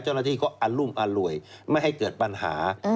เจ้าหน้าที่ก็อรุมอร่วยไม่ให้เกิดปัญหา